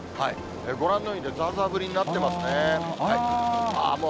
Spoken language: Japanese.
ご覧のように、ざーざー降りになってますね。